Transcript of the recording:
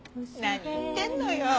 何言ってんのよ！